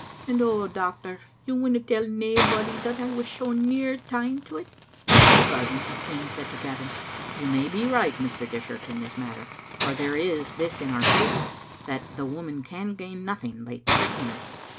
And, oh, doctor, you winna tell naebody that I was so near taen to it?" In the garden McQueen said to Gavin :— "You may be right, Mr. Dishart, in this matter, for there is this in our favour, that the woman can gain liothing by tricking us.